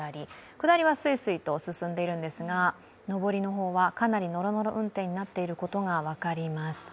下りはすいすいと進んでいるんですが上りの方は、かなりのろのろ運転になってることが分かります。